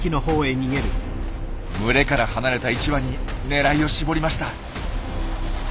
群れから離れた１羽に狙いを絞りました。